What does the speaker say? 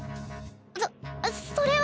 そそれは。